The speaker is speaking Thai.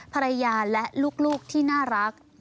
ภรรยาและลูกที่น่ารัก